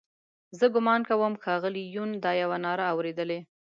زه ګومان کوم ښاغلي یون دا یوه ناره اورېدلې.